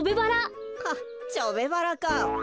ハッチョベバラか。